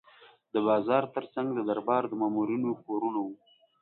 د بازار ترڅنګ د دربار د مامورینو کورونه وو.